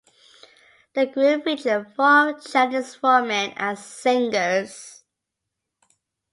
The group featured four Chinese women as singers.